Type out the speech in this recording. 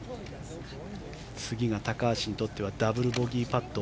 次が高橋にとってはダブルボギーパット。